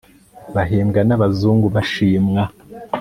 bahembwa n'abazungu bashimwa